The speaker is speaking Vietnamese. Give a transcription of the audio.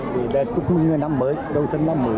đó là tức như năm mới đầu thân năm mới